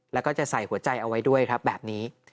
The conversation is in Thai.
แล้วก็จะใส่หัวใจเอาไว้ด้วยครับแบบนี้